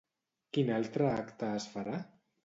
Quin altre acte es farà?